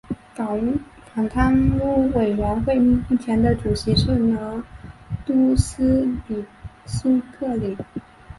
反贪污委员会目前的主席是拿督斯里苏克里。